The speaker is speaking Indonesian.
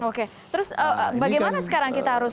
oke terus bagaimana sekarang kita harus